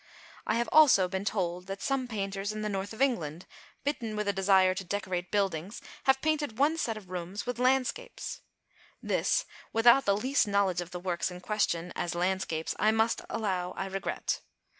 I have also been told that some painters in the North of England, bitten with a desire to decorate buildings, have painted one set of rooms with landscapes. This, without the least knowledge of the works in question, as landscapes, I must allow I regret.